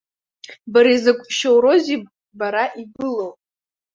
Бара, изакә шьоузеи бара ибылоу?